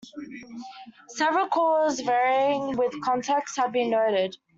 Several calls varying with context have been noted.